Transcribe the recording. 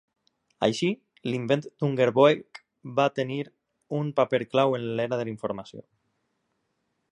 Així, l'invent d'Ungerboeck va tenir un paper clau en l'Era de la Informació.